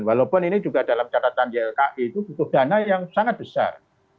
walaupun ini juga dalam catatan ylki itu butuh dana yang sangat besar